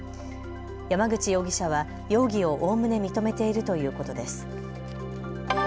山口容疑者は容疑をおおむね認めているということです。